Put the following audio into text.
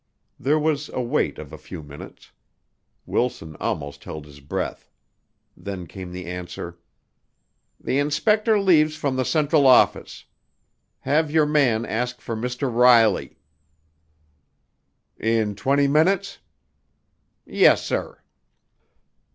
There was a wait of a few minutes. Wilson almost held his breath. Then came the answer: "The inspector leaves from the central office. Have your man ask for Mr. Riley." "In twenty minutes?" "Yes, sir."